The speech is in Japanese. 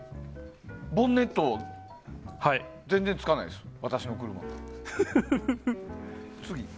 ボンネットが全然つかないです、私の車。